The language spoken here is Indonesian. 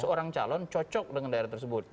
seorang calon cocok dengan daerah tersebut